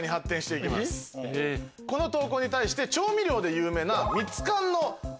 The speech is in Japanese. この投稿に対して調味料で有名な。